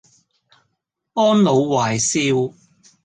安老懷少